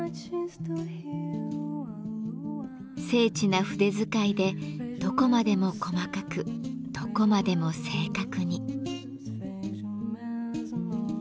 精緻な筆使いでどこまでも細かくどこまでも正確に。